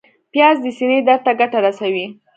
پیاز د سینې درد ته ګټه رسوي